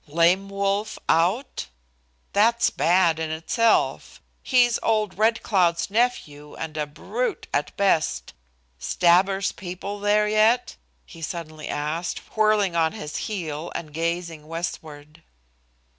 "Lame Wolf out? That's bad in itself! He's old Red Cloud's nephew and a brute at best. Stabber's people there yet?" he suddenly asked, whirling on his heel and gazing westward.